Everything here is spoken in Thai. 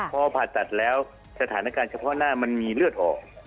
พอผ่าตัดแล้วสถานการณ์เฉพาะหน้ามันมีเลือดออก